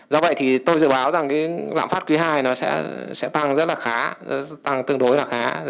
do vậy thì tôi dự báo rằng cái lạm phát quý ii nó sẽ tăng rất là khá tăng tương đối là khá